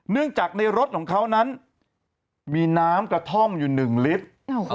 เนื่องจากในรถของเขานั้นมีน้ำกระท่อมอยู่๑ลิตร